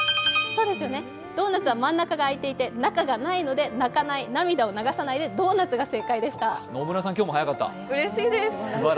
そうですよね、ドーナツは真ん中が空いていて、中がないので、なかない、涙を流さないでドーナツが正解でした。